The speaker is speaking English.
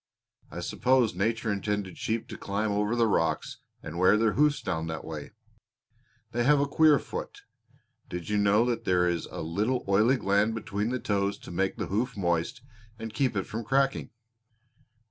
I suppose nature intended sheep to climb over the rocks and wear their hoofs down that way. They have a queer foot. Did you know that there is a little oily gland between the toes to make the hoof moist, and keep it from cracking?"